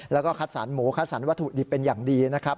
แล้วก็คัดสรรหมูคัดสรรวัตถุดิบเป็นอย่างดีนะครับ